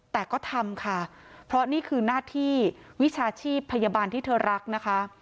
แต่ก็ทำค่ะเพราะนี่คือหน้าที่วิชาชีพพยาบาลที่เธอรักนะคะ